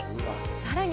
さらに。